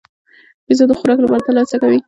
بیزو د خوراک لپاره تل هڅه کوي.